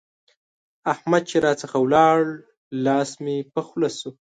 احمد چې راڅخه ولاړ؛ لاس مې په خوله شو.